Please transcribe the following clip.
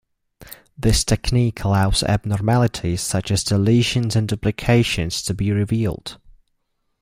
This technique allows abnormalities such as deletions and duplications to be revealed.